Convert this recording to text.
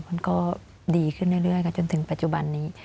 มันก็ดีขึ้นเรื่อยค่ะจนถึงปัจจุบันนี้